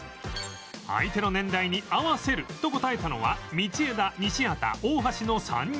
相手の年代に合わせると答えたのは道枝西畑大橋の３人